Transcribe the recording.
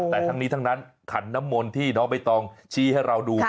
แต่ทั้งนี้ทั้งนั้นขันน้ำมนที่น้องใบตองชี้ให้เราดู